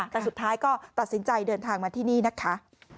แต่สุดท้ายก็ตัดสินใจเดินทางมาที่นี่นะคะ